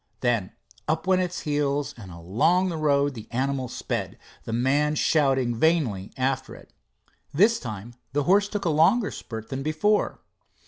Then up went its heels, and along the road the animal sped, the man shouting vainly after it. This time the horse took a longer spurt than before.